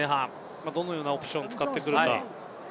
どのようなオプションを使ってくるでしょうか。